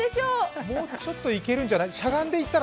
もうちょっといけるんじゃない？